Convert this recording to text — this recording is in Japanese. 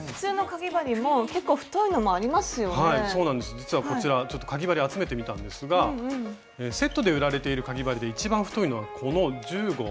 実はこちらちょっとかぎ針集めてみたんですがセットで売られているかぎ針で一番太いのはこの１０／０号。